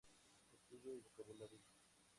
Estudio y vocabulario".